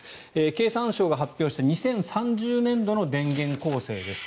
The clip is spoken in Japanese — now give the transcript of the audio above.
経産省が発表した２０３０年度の電源構成です。